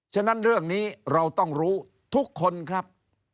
ฉะนั้นเรื่องนี้เราต้องรู้ทุกคนครับ